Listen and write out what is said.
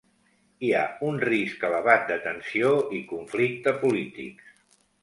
Hi ha un risc elevat de tensió i conflicte polítics.